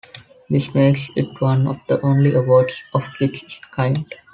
This makes it one of the only awards of its kind.